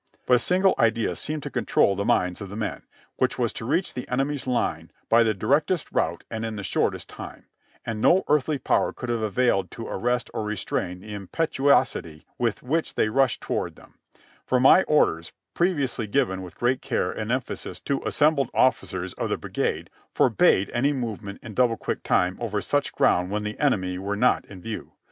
But a single idea seemed to control the minds of the men, which was to reach the enemy's line by the directest route and in the shortest time ; and no earthly power could have availed to arrest or restrain the impetuosity vv'ith which they rushed toward them, for my orders, previously given with great care and emphasis to assembled officers of the brigade, forbade any movement in double quick time over such ground when the enemy were not in view.